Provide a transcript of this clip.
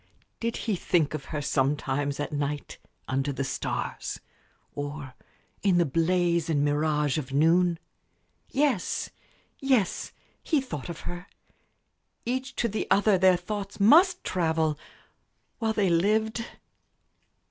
Did he think of her sometimes, at night, under the stars, or in the blaze and mirage of noon? Yes, yes; he thought of her. Each to the other their thoughts must travel while they lived.